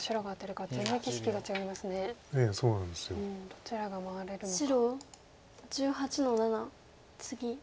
どちらが回れるのか。